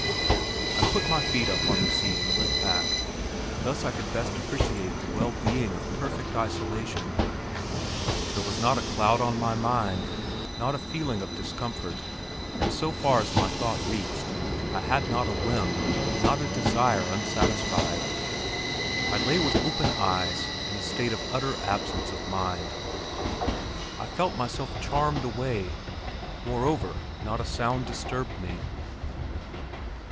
I put my feet up on the seat and leant back. Thus I could best appreciate the well being of perfect isolation. There was not a cloud on my mind, not a feeling of discomfort, and so far as my thought reached, I had not a whim, not a desire unsatisfied. I lay with open eyes, in a state of utter absence of mind. I felt myself charmed away. Moreover, not a sound disturbed me.